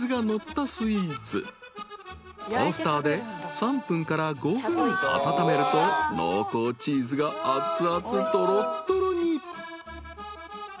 ［トースターで３分から５分温めると濃厚チーズがあつあつとろとろに］